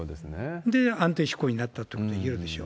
で、安定志向になったということはいえるでしょう。